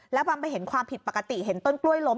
แล้วพอมาเห็นความผิดปกติเห็นต้นกล้วยล้ม